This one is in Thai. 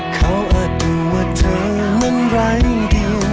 เขาอาจรู้ว่าเธอมันรายเดียว